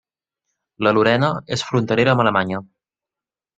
La Lorena és fronterera amb Alemanya.